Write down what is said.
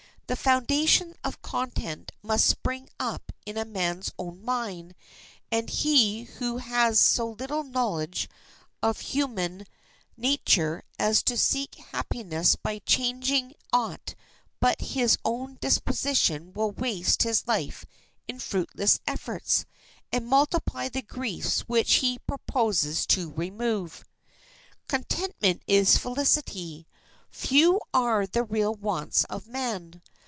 The foundation of content must spring up in a man's own mind, and he who has so little knowledge of human nature as to seek happiness by changing aught but his own disposition will waste his life in fruitless efforts, and multiply the griefs which he proposes to remove. Contentment is felicity. Few are the real wants of man.